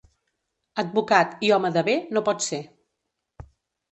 Advocat i home de bé no pot ser.